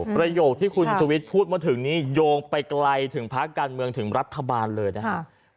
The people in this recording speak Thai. ประโยคที่คุณชุวิตพูดมาถึงนี้โยงไปไกลถึงภาคการเมืองถึงรัฐบาลเลยนะครับ